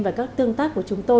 và các tương lai của antv